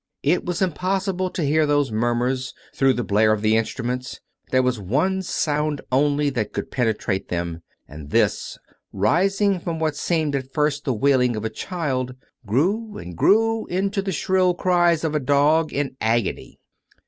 It was impossible to hear those murmurs, through the blare of the instruments; there was one sound only that could penetrate them; and this, rising from what seemed at first the wailing of a child, grew and grew into the shrill cries of a dog in agony.